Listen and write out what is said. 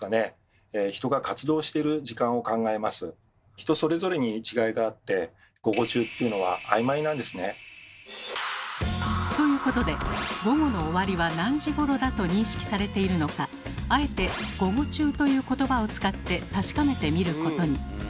人それぞれに違いがあってということで午後の終わりは何時ごろだと認識されているのかあえて「午後中」という言葉を使って確かめてみることに。